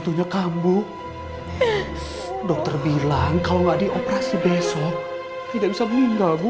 terima kasih dokter bilang kalau nggak dioperasi besok tidak bisa meninggal bu